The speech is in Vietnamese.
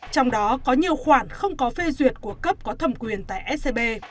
trong đó có nhiều khoản không có phê duyệt của cấp có thẩm quyền tại scb